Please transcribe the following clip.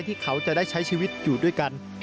ที่เขาจะได้ใช้ชีวิตอยู่ด้วยกัน